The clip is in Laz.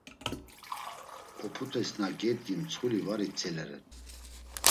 Oput̆es na gedgin mtsxuli var itzileren.